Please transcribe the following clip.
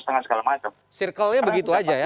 setengah segala macam cirkelnya begitu aja ya